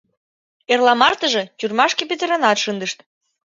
Эрла мартеже тюрьмашке петыренат шындышт.